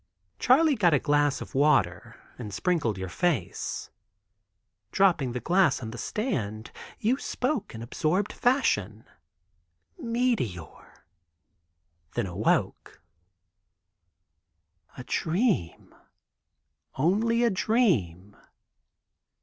Charley got a glass of water and sprinkled your face. Dropping the glass on the stand, you spoke in absorbed fashion, 'Meteor,' then awoke." A dream! Only a dream!